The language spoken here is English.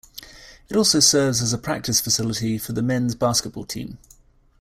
It also serves as a practice facility for the men's basketball team.